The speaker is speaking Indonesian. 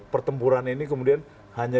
pertempuran ini kemudian hanya